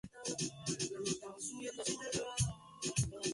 En sus alrededores se encuentran los cerros volcánicos de Cañamares.